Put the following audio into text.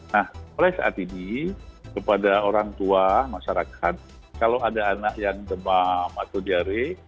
nah mulai saat ini kepada orang tua masyarakat kalau ada anak yang demam atau diare